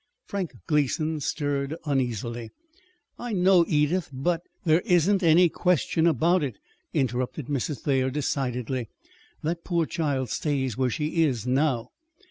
Frank Gleason stirred uneasily. "I know, Edith, but " "There isn't any question about it," interrupted Mrs. Thayer decidedly. "That poor child stays where she is now."